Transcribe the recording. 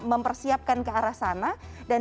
mempersiapkan ke arah sana dan